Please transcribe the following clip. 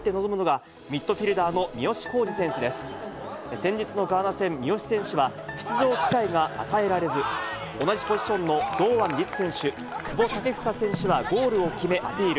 先日のガーナ戦、三好選手は出場機会が与えられず、同じポジションの堂安律選手、久保建英選手はゴールを決め、アピール。